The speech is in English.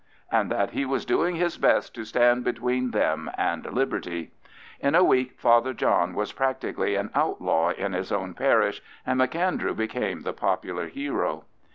—and that he was doing his best to stand between them and liberty. In a week Father John was practically an outlaw in his own parish, and M'Andrew became the popular hero.